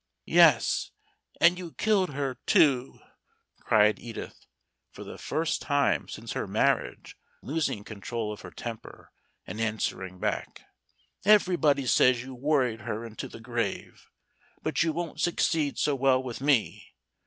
"Yes, and you killed her too," cried Edith, for the first time since her marriage losing control of her temper and answering back. "Everybody says you worried her into the grave. But you won't succeed so well with me.